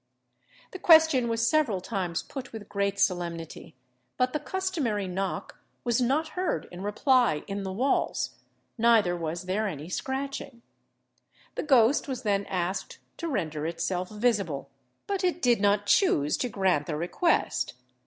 The question was several times put with great solemnity; but the customary knock was not heard in reply in the walls, neither was there any scratching. The ghost was then asked to render itself visible, but it did not choose to grant the request.